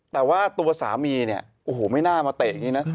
แต่ว่าตัวสามีเนี่ยโอ้โหไม่น่ามาเตะอย่างนี้นะ